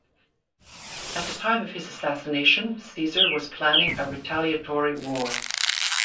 At the time of his assassination, Caesar was planning a retaliatory war.